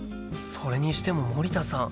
それにしても森田さん